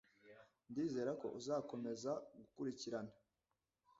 Ndizera ko uzakomeza gukurikirana .